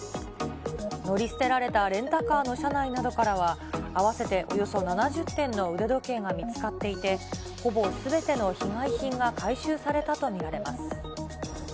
乗り捨てられたレンタカーの車内などからは、合わせておよそ７０点の腕時計が見つかっていて、ほぼすべての被害品が回収されたと見られます。